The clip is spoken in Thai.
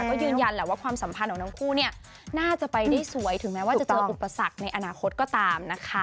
ก็ยืนยันแหละว่าความสัมพันธ์ของทั้งคู่เนี่ยน่าจะไปได้สวยถึงแม้ว่าจะเจออุปสรรคในอนาคตก็ตามนะคะ